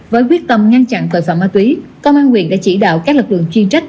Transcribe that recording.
với quyết tâm ngăn chặn tội phạm ma túy công an huyện đã chỉ đạo các lực lượng chuyên trách